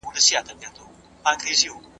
د خوراک پر مهال تليفون مه کاروئ.